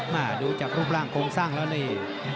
มาดูจากรูปร่างโครงสร้างแล้วนี่